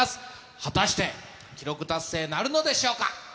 果たして、記録達成なるのでしょうか。